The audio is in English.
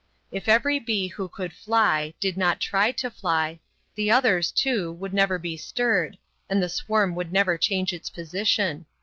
If every bee who could fly, did not try to fly, the others, too, would never be stirred, and the swarm would never change its position.